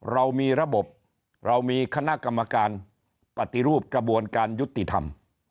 เรามีระบบเรามีคณะกรรมการปฏิรูปกระบวนการยุติธรรม